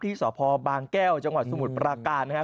ที่สพบางแก้วจังหวัดสมุทรปราการนะครับ